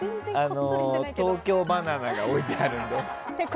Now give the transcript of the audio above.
東京ばな奈が置いてあるんで。